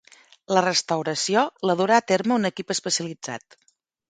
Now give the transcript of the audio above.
La restauració la durà a terme un equip especialitzat.